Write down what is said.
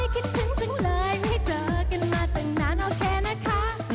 โอ้ยคิดถึงจังเลยไม่ให้เจอกันมาจากนั้นโอเคนะคะ